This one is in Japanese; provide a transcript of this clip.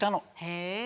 へえ。